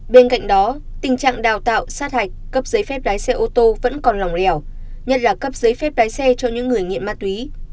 bên cạnh đó tình trạng đào tạo sát hạch cấp giấy phép lái xe ô tô vẫn còn lỏng lẻo nhất là cấp giấy phép lái xe cho những người nghiện ma túy